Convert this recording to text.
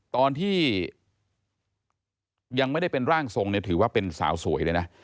ตอนที่ยังไม่ได้เป็นร่างทรงเนี่ยถือว่าเป็นสาวสวยเลยนะ